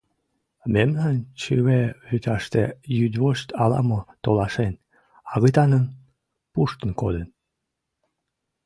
Мемнан чыве вӱташте йӱдвошт ала-мо толашен, агытаным пуштын коден.